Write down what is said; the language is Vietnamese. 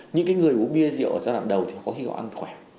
những người uống bia rượu ở giai đoạn đầu thì có khi họ ăn khỏe